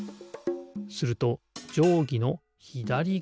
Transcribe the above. するとじょうぎのひだりがわがひらく。